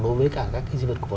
đối với các di vật cổ vật